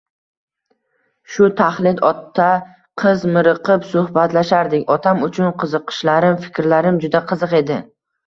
Shu taxlit ota-qiz miriqib suhbatlashardik, otam uchun qiziqishlarim, fikrlarim juda qiziq edi